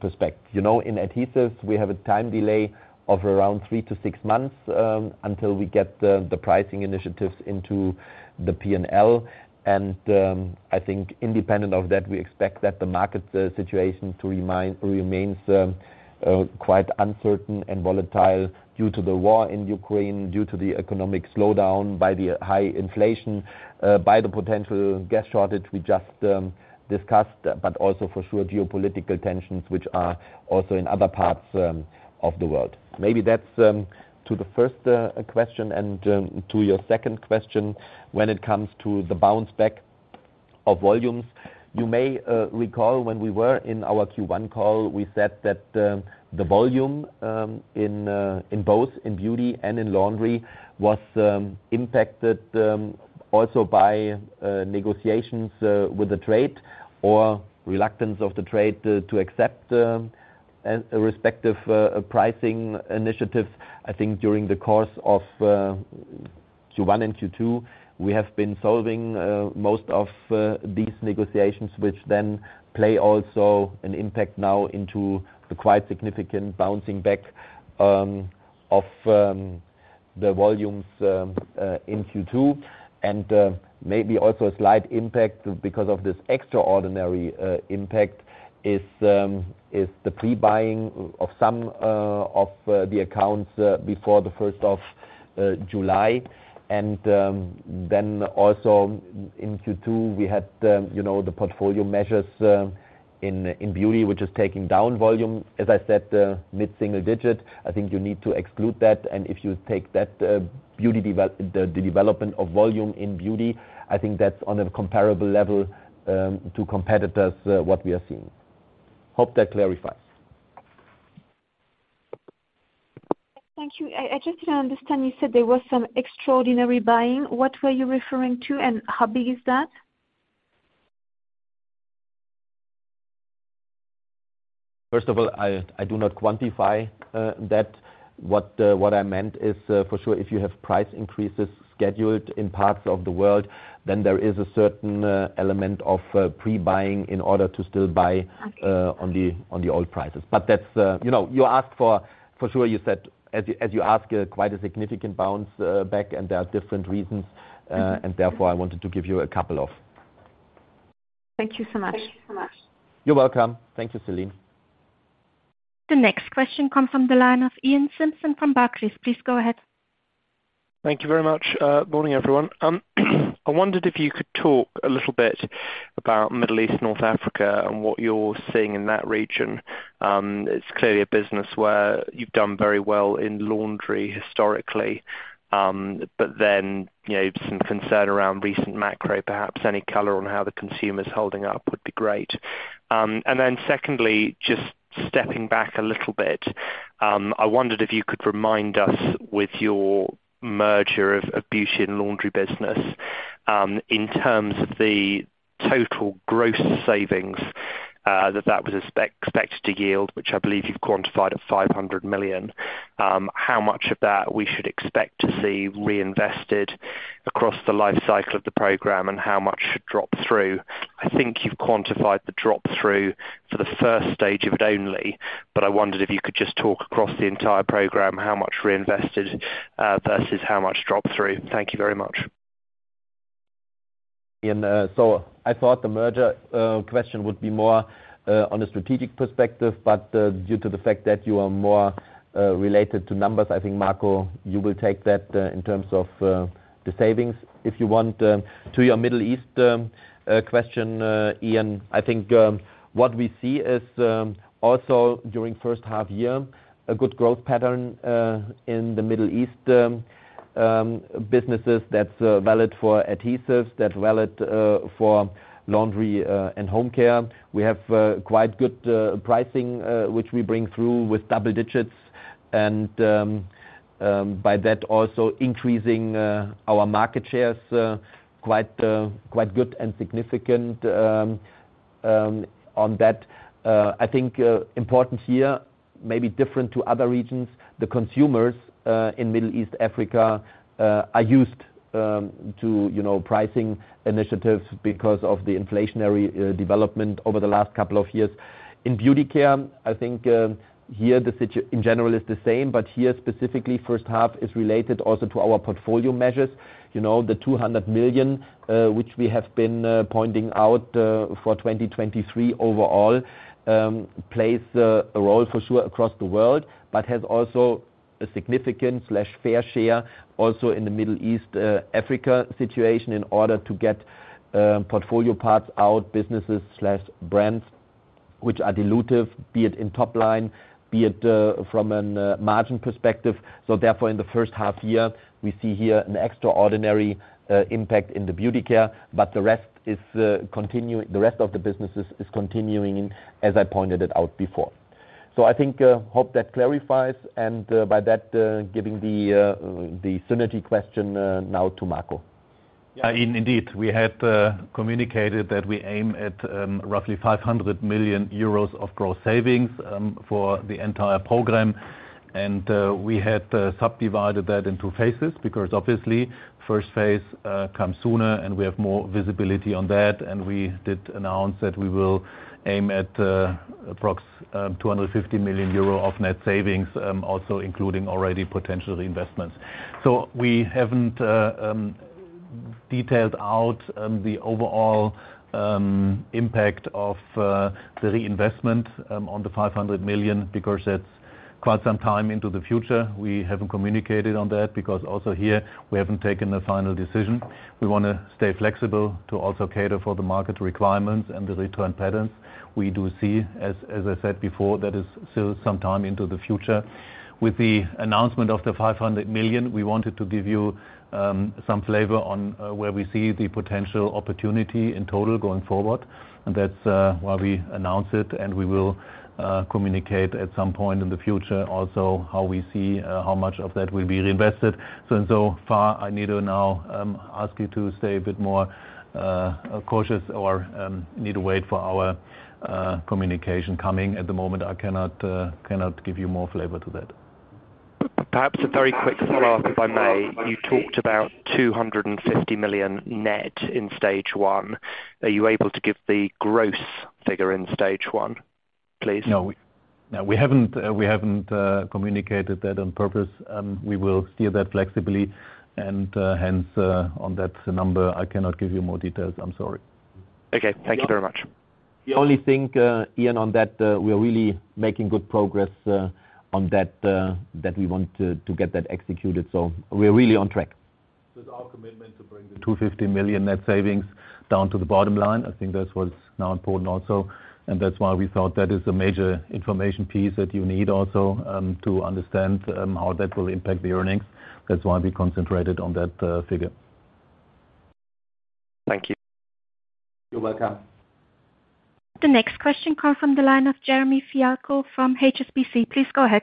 perspective. You know, in adhesives we have a time delay of around 3-6 months until we get the pricing initiatives into the P&L. I think independent of that we expect that the market situation remains quite uncertain and volatile due to the war in Ukraine, due to the economic slowdown by the high inflation, by the potential gas shortage we just discussed, but also for sure geopolitical tensions which are also in other parts of the world. Maybe that's to the first question and to your second question when it comes to the bounce back of volumes. You may recall when we were in our Q1 call, we said that the volume in both beauty and laundry was impacted also by negotiations with the trade or reluctance of the trade to accept a respective pricing initiative. I think during the course of Q1 and Q2, we have been solving most of these negotiations which then play also an impact now into the quite significant bouncing back of the volumes in Q2. Maybe also a slight impact because of this extraordinary impact is the pre-buying of some of the accounts before the first of July. Then also in Q2, we had, you know, the portfolio measures in beauty, which is taking down volume, as I said, mid-single digit. I think you need to exclude that. If you take that, the development of volume in beauty, I think that's on a comparable level to competitors, what we are seeing. Hope that clarifies. Thank you. I just didn't understand, you said there was some extraordinary buying. What were you referring to, and how big is that? First of all, I do not quantify that. What I meant is, for sure if you have price increases scheduled in parts of the world then there is a certain element of pre-buying in order to still buy- Okay. ...on the old prices. That's, you know, you asked for sure you said as you ask quite a significant bounce back and there are different reasons and therefore I wanted to give you a couple of. Thank you so much. You're welcome. Thank you, Celine. The next question comes from the line of Iain Simpson from Barclays. Please go ahead. Thank you very much. Morning, everyone. I wondered if you could talk a little bit about Middle East, North Africa and what you're seeing in that region. It's clearly a business where you've done very well in laundry historically. Then, you know, some concern around recent macro, perhaps any color on how the consumer's holding up would be great. Then secondly, just stepping back a little bit, I wondered if you could remind us with your merger of beauty and laundry business, in terms of the total gross savings, that was expected to yield, which I believe you've quantified at 500 million. How much of that we should expect to see reinvested across the life cycle of the program and how much should drop through? I think you've quantified the drop through for the first stage of it only, but I wondered if you could just talk across the entire program how much reinvested versus how much dropped through? Thank you very much. I thought the merger question would be more on a strategic perspective. Due to the fact that you are more related to numbers, I think, Marco, you will take that in terms of the savings. If you want to your Middle East question, Iain, I think what we see is also during first half year a good growth pattern in the Middle East businesses that's valid for adhesives, that's valid for laundry and home care. We have quite good pricing which we bring through with double digits. By that also increasing our market shares quite good and significant on that. I think important here, maybe different to other regions, the consumers in Middle East Africa are used to, you know, pricing initiatives because of the inflationary development over the last couple of years. In Beauty Care, I think here in general is the same, but here, specifically, first half is related also to our portfolio measures. You know, the 200 million which we have been pointing out for 2023 overall plays a role for sure across the world, but has also a significant slash fair share also in the Middle East Africa situation in order to get portfolio parts out, businesses slash brands which are dilutive, be it in top line, be it from an margin perspective. In the first half year, we see here an extraordinary impact in the Beauty Care, but the rest of the businesses is continuing as I pointed it out before. I think hope that clarifies, and by that, giving the synergy question now to Marco. Yeah, indeed. We had communicated that we aim at roughly 500 million euros of gross savings for the entire program. We had subdivided that in two phases because obviously first phase comes sooner, and we have more visibility on that. We did announce that we will aim at approximately 250 million euro of net savings, also including already potential reinvestments. We haven't detailed out the overall impact of the reinvestment on the 500 million because that's quite some time into the future. We haven't communicated on that because also here we haven't taken a final decision. We wanna stay flexible to also cater for the market requirements and the return patterns. We do see, as I said before, that is still some time into the future. With the announcement of the 500 million, we wanted to give you some flavor on where we see the potential opportunity in total going forward, and that's why we announce it, and we will communicate at some point in the future also how we see how much of that will be reinvested. So far, I need to now ask you to stay a bit more cautious or need to wait for our communication coming. At the moment, I cannot give you more flavor to that. Perhaps a very quick follow-up, if I may. You talked about 250 million net in Stage 1. Are you able to give the gross figure in Stage 1, please? No, we haven't communicated that on purpose. We will steer that flexibly and hence on that number, I cannot give you more details. I'm sorry. Okay. Thank you very much. The only thing, Iain, on that, we are really making good progress on that we want to get that executed. We're really on track. It's our commitment to bring the 250 million net savings down to the bottom line. I think that's what's now important also, and that's why we thought that is a major information piece that you need also, to understand, how that will impact the earnings. That's why we concentrated on that, figure. Thank you. You're welcome. The next question comes from the line of Jeremy Fialko from HSBC. Please go ahead.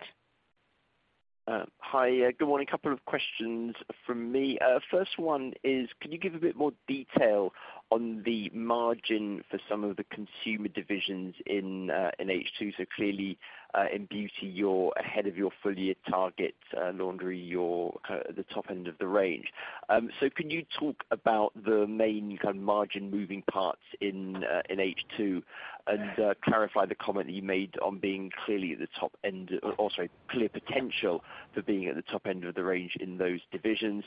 Hi. Good morning. A couple of questions from me. First one is, can you give a bit more detail on the margin for some of the consumer divisions in H2? Clearly, in beauty, you're ahead of your full year targets. Laundry, you're kinda at the top end of the range. Can you talk about the main kind of margin moving parts in H2 and clarify the comment that you made on clear potential for being at the top end of the range in those divisions.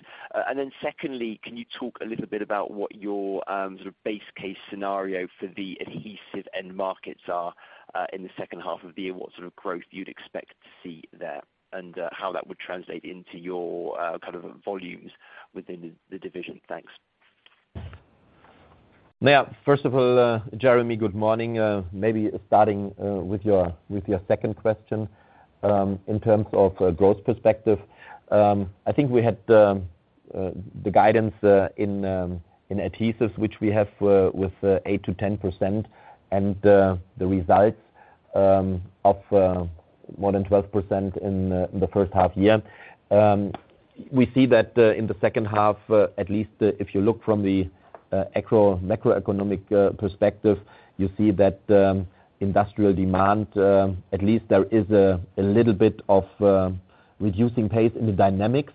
Then secondly, can you talk a little bit about what your sort of base case scenario for the adhesive end markets are in the second half of the year, what sort of growth you'd expect to see there, and how that would translate into your kind of volumes within the division? Thanks. Yeah. First of all, Jeremy, good morning. Maybe starting with your second question. In terms of a growth perspective, I think we had the guidance in adhesives, which we have with 8%-10%, and the results of more than 12% in the first half year. We see that in the second half, at least if you look from the macroeconomic perspective, you see that industrial demand at least there is a little bit of reducing pace in the dynamics,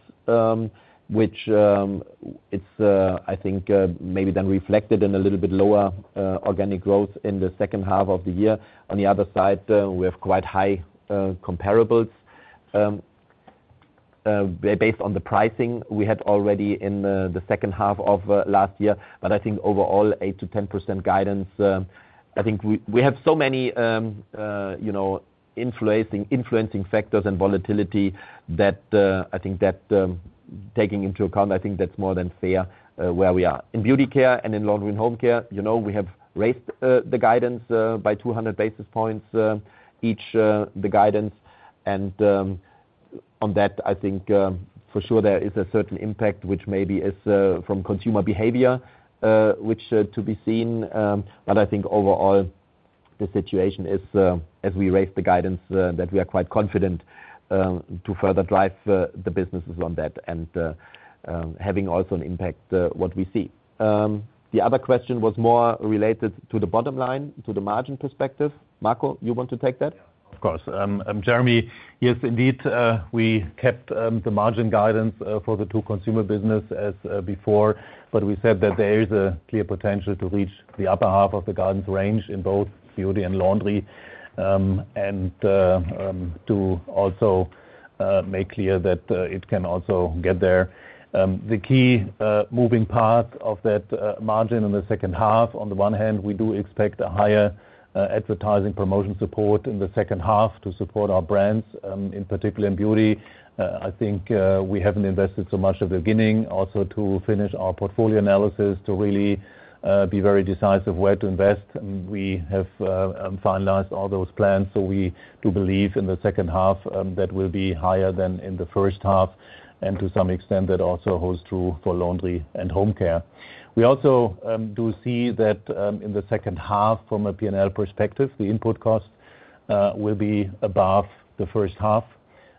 which it's I think maybe then reflected in a little bit lower organic growth in the second half of the year. On the other side, we have quite high comparables based on the pricing we had already in the second half of last year. I think overall, 8%-10% guidance. I think we have so many, you know, influencing factors and volatility that I think that taking into account, I think that's more than fair where we are. In Beauty Care and in Laundry & Home Care, you know, we have raised the guidance by 200 basis points each, the guidance. On that, I think for sure there is a certain impact which maybe is from consumer behavior, which to be seen. I think overall the situation is, as we raise the guidance, that we are quite confident to further drive the businesses on that and, having also an impact, what we see. The other question was more related to the bottom line, to the margin perspective. Marco, you want to take that? Of course. Jeremy, yes, indeed, we kept the margin guidance for the two consumer businesses as before, but we said that there is a clear potential to reach the upper half of the guidance range in both beauty and laundry, to also make clear that it can also get there. The key moving part of that margin in the second half, on the one hand, we do expect a higher advertising promotion support in the second half to support our brands, in particular in beauty. I think we haven't invested so much at the beginning also to finish our portfolio analysis to really be very decisive where to invest. We have finalized all those plans. We do believe in the second half that will be higher than in the first half, and to some extent that also holds true for Laundry & Home Care. We also do see that in the second half from a P&L perspective, the input cost will be above the first half.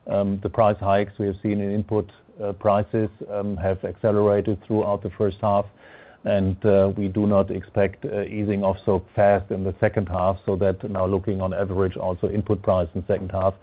The price hikes we have seen in input prices have accelerated throughout the first half, and we do not expect easing off so fast in the second half. So that now looking on average also input price in second half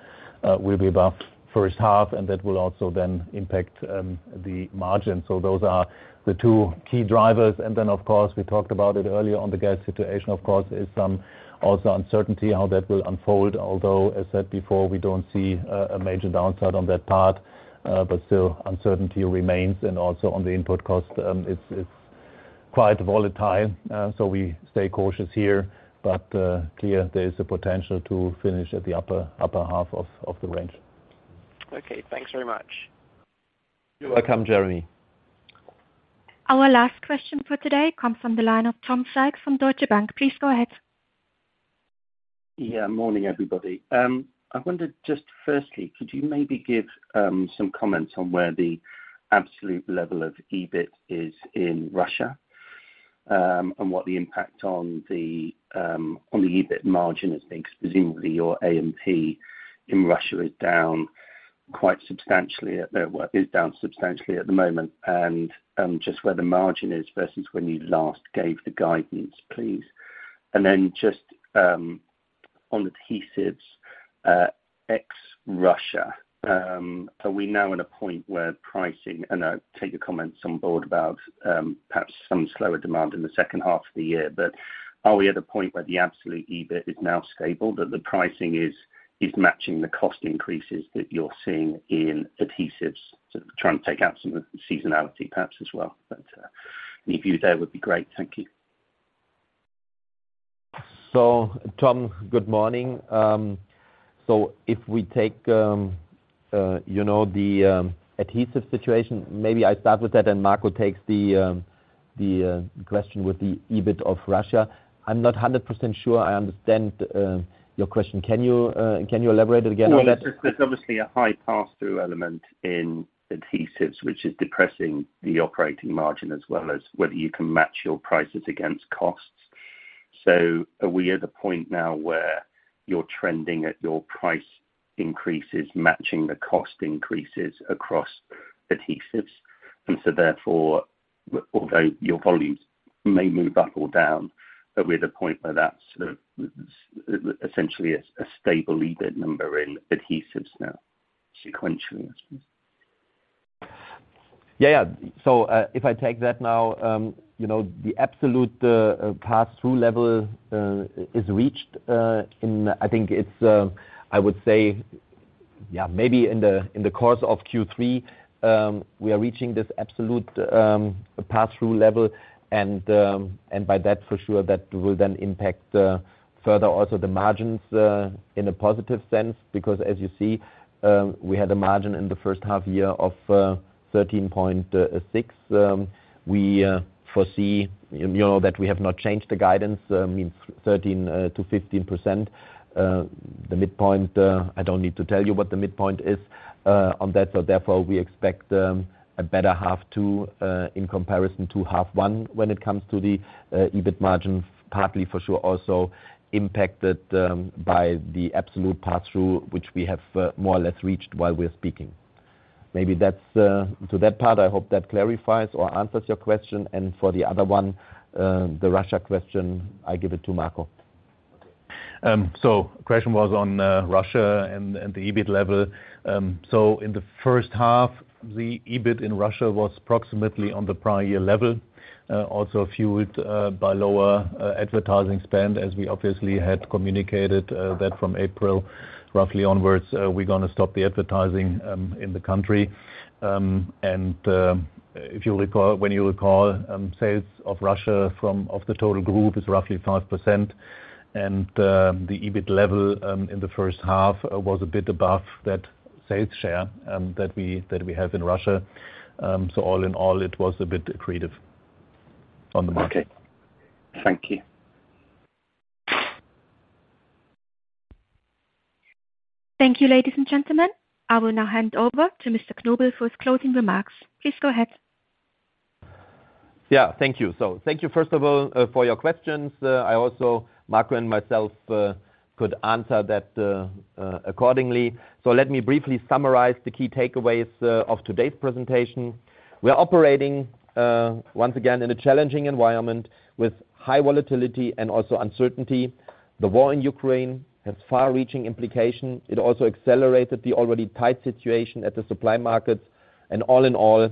will be above first half, and that will also then impact the margin. Those are the two key drivers. Then, of course, we talked about it earlier on the gas situation, of course, is some also uncertainty how that will unfold. Although, as said before, we don't see a major downside on that part, but still uncertainty remains. Also on the input cost, it's quite volatile. We stay cautious here. Clear there is a potential to finish at the upper half of the range. Okay, thanks very much. You're welcome, Jeremy. Our last question for today comes from the line of Tom Sykes from Deutsche Bank. Please go ahead. Yeah. Morning, everybody. I wondered just firstly, could you maybe give some comments on where the absolute level of EBIT is in Russia, and what the impact on the EBIT margin has been? Because presumably your A&P in Russia is down quite substantially at the moment, and just where the margin is versus when you last gave the guidance, please. Then just on adhesives ex-Russia, are we now at a point where pricing, and I take your comments on board about perhaps some slower demand in the second half of the year. Are we at a point where the absolute EBIT is now stable, that the pricing is matching the cost increases that you are seeing in adhesives to try and take out some of the seasonality perhaps as well? Any view there would be great. Thank you. Tom, good morning. If we take the adhesive situation, maybe I start with that and Marco takes the question with the EBIT of Russia. I'm not 100% sure I understand your question. Can you elaborate again on that? Sure. There's obviously a high pass-through element in adhesives, which is depressing the operating margin as well as whether you can match your prices against costs. Are we at the point now where you're trending at your price increases matching the cost increases across adhesives? Therefore, although your volumes may move up or down, are we at a point where that's sort of essentially a stable EBIT number in adhesives now sequentially, I suppose? If I take that now, you know, the absolute pass-through level is reached in I think it's I would say maybe in the course of Q3, we are reaching this absolute pass-through level. By that for sure, that will then impact further also the margins in a positive sense. Because as you see, we had a margin in the first half year of 13.6%. We foresee, you know, that we have not changed the guidance, means 13%-15%. The midpoint, I don't need to tell you what the midpoint is, on that. Therefore, we expect a better half two in comparison to half one when it comes to the EBIT margins, partly for sure also impacted by the absolute pass-through, which we have more or less reached while we're speaking. Maybe that's to that part. I hope that clarifies or answers your question. For the other one, the Russia question, I give it to Marco. Question was on Russia and the EBIT level. In the first half, the EBIT in Russia was approximately on the prior year level, also fueled by lower advertising spend, as we obviously had communicated, that from April roughly onwards, we're gonna stop the advertising in the country. When you recall, sales in Russia of the total group is roughly 5%. The EBIT level in the first half was a bit above that sales share that we have in Russia. All in all, it was a bit accretive to the margin. Okay. Thank you. Thank you, ladies and gentlemen. I will now hand over to Mr. Knobel for his closing remarks. Please go ahead. Yeah, thank you. Thank you first of all for your questions. I also, Marco and myself, could answer that accordingly. Let me briefly summarize the key takeaways of today's presentation. We are operating once again in a challenging environment with high volatility and also uncertainty. The war in Ukraine has far-reaching implications. It also accelerated the already tight situation at the supply markets. All in all,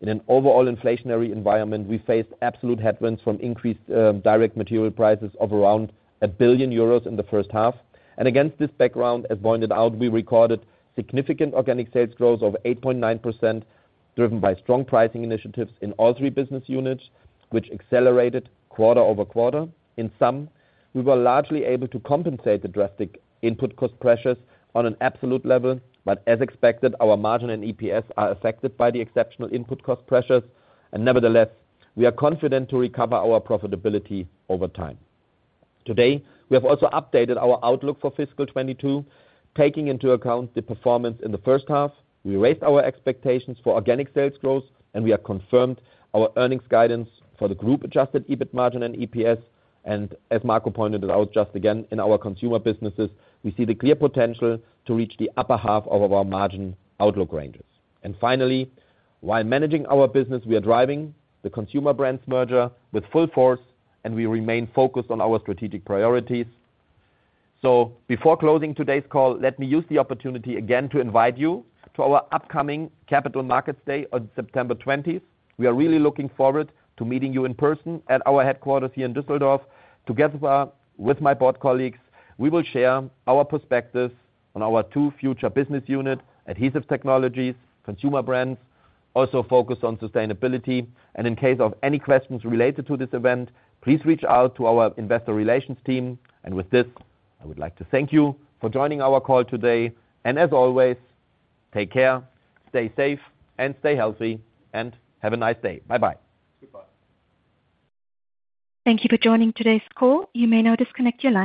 in an overall inflationary environment, we faced absolute headwinds from increased direct material prices of around 1 billion euros in the first half. Against this background, as pointed out, we recorded significant organic sales growth of 8.9%, driven by strong pricing initiatives in all three business units, which accelerated quarter-over-quarter. In sum, we were largely able to compensate the drastic input cost pressures on an absolute level, but as expected, our margin and EPS are affected by the exceptional input cost pressures. Nevertheless, we are confident to recover our profitability over time. Today, we have also updated our outlook for fiscal 2022. Taking into account the performance in the first half, we raised our expectations for organic sales growth, and we have confirmed our earnings guidance for the group Adjusted EBIT margin and EPS. As Marco pointed out just again, in our consumer businesses, we see the clear potential to reach the upper half of our margin outlook ranges. Finally, while managing our business, we are driving the Consumer Brands merger with full force, and we remain focused on our strategic priorities. Before closing today's call, let me use the opportunity again to invite you to our upcoming Capital Markets Day on September 20. We are really looking forward to meeting you in person at our headquarters here in Düsseldorf. Together with my board colleagues, we will share our perspectives on our two future business units, Adhesive Technologies, Consumer Brands, also focused on sustainability. In case of any questions related to this event, please reach out to our investor relations team. With this, I would like to thank you for joining our call today. As always, take care, stay safe, and stay healthy, and have a nice day. Bye-bye. Goodbye. Thank you for joining today's call. You may now disconnect your line.